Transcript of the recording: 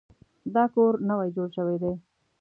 دا کور نوی جوړ شوی دی